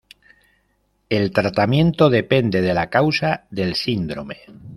El tratamiento depende de la causa del síndrome.